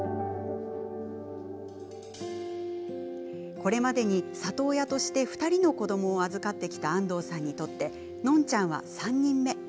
これまでに里親として２人の子どもを預かってきた安藤さんにとってのんちゃんは３人目。